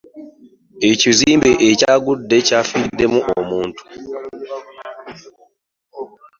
Ekizimbe ekyagudde kyafiiriddemu omuntu.